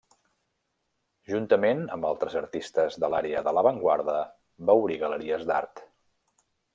Juntament amb altres artistes de l'àrea de l'avantguarda, va obrir galeries d'art.